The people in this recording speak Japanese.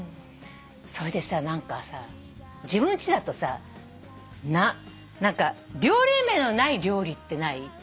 それでさ自分ちだとさ料理名のない料理ってない？